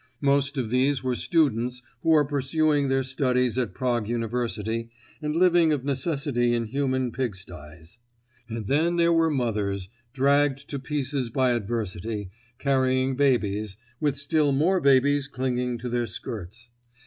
Most of these were students who are pursuing their studies at Prague University and living of necessity in human pigsties. And then there were mothers, dragged to pieces by adversity, carrying babies, with still more babies clinging to their skirts.